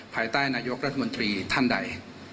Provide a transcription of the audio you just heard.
ภายใต้นายกรัฐมนตรีท่านใด